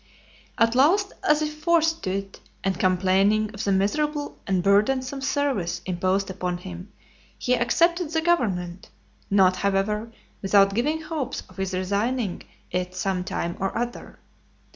At last, as if forced to it, and complaining of the miserable and burdensome service imposed upon him, he accepted the government; not, however, without giving hopes of his resigning it some time or other.